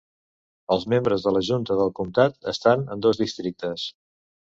Els membres de la junta del comtat estan en dos districtes.